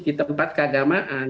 di tempat keagamaan